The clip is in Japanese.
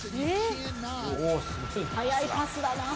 速いパスだな。